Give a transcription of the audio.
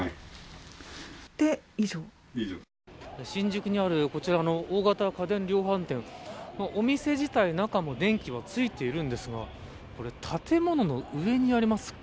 新宿にあるこちらの大型家電量販店お店自体中も電気はついていますが建物の上にあります